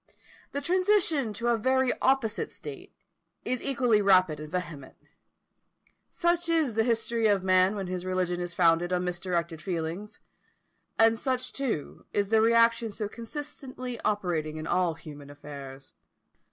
The transition to a very opposite state is equally rapid and vehement. Such is the history of man when his religion is founded on misdirected feelings; and such, too, is the reaction so constantly operating in all human affairs.